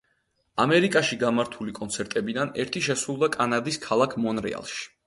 ამერიკაში გამართული კონცერტებიდან ერთი შესრულდა კანადის ქალაქ მონრეალში.